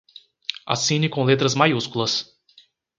Assine com letras maiúsculas